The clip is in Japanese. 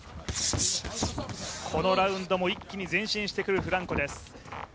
このラウンドも一気に前進してくるフランコです。